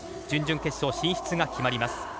準々決勝進出が決まります。